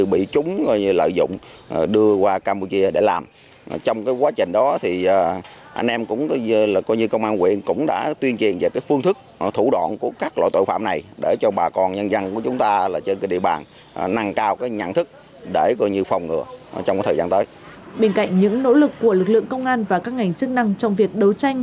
bên cạnh những nỗ lực của lực lượng công an và các ngành chức năng trong việc đấu tranh